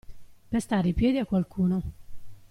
Pestare i piedi a qualcuno.